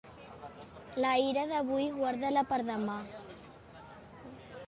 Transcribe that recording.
La ira d'avui, guarda-la per demà.